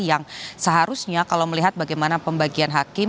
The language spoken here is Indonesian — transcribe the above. yang seharusnya kalau melihat bagaimana pembagian hakim